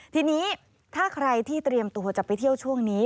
ทีนี้ถ้าใครที่เตรียมตัวจะไปเที่ยวช่วงนี้